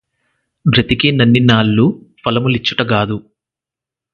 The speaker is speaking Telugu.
బ్రతికినన్నినాళ్ళు ఫలము లిచ్చుట గాదు